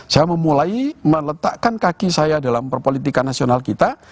saya memulai meletakkan kaki saya dalam perpolitikan nasional kita